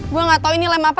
gue gatau ini lem apa